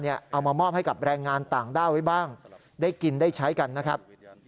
เอามามอบให้กับแรงงานต่างด้าวไว้บ้างได้กินได้ใช้กันนะครับ